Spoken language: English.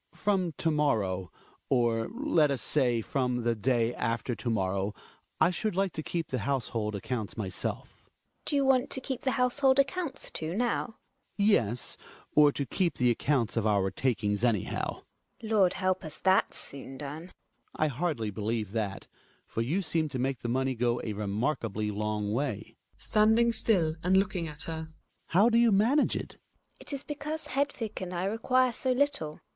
Hjalmar. From to morrow — or let us say, from the day after to morrow — I should like to keep the house hold accounts myself. GrNA. Do you want to keep the household accounts )yoi Kb too, now? 'tKbO^^ THE WILD DUCK. 93 fijALMAR. Yes, or to keep the accounts of our takings, anyhow. GiNA. Lord help us, that's soon done. Hjalmar. I hardly believe that, for you seem to make the money go a remarkably long way. (Standing Ml and looking at her.) How do you manage it ? GiNA. It is because Hedvik and I require so little.